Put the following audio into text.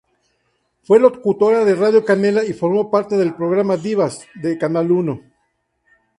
Fue locutora de Radio Canela y formó parte del programa "Divinas", de Canal Uno.